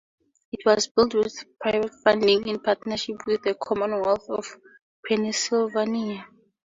It was built with private funding in partnership with the Commonwealth of Pennsylvania.